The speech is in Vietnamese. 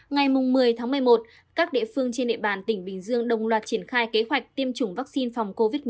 ngày một mươi tháng một mươi một các địa phương trên địa bàn tỉnh bình dương đồng loạt triển khai kế hoạch tiêm chủng vaccine phòng covid một mươi chín